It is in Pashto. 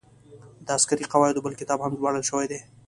د عسکري قواعدو بل کتاب هم ژباړل شوی دی.